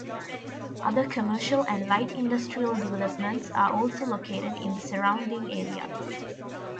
Other commercial and light industrial developments are also located in the surrounding area.